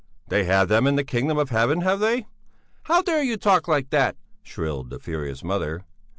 They have them in the kingdom of heaven, have they?" "How dare you talk like that!" shrilled the furious mother.